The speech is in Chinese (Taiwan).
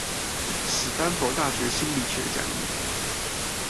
史丹佛大學心理學講義